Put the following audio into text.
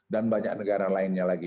dan banyak negara lainnya lagi